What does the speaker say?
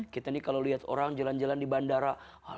kita nih kalau lihat orang jalan jalan di bandara